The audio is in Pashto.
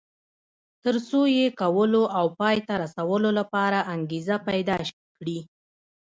تر څو یې کولو او پای ته رسولو لپاره انګېزه پيدا کړي.